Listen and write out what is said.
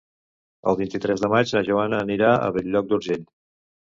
El vint-i-tres de maig na Joana anirà a Bell-lloc d'Urgell.